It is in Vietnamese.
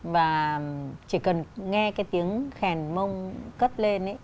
và chỉ cần nghe cái tiếng khèn mông cất lên